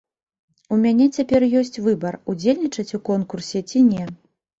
У мяне цяпер ёсць выбар, удзельнічаць у конкурсе, ці не.